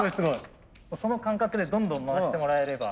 その感覚でどんどん回してもらえれば。